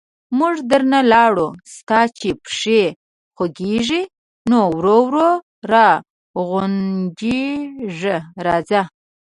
موږ درنه لاړو، ستا چې پښې خوګېږي، نو ورو ورو را غونجېږه راځه...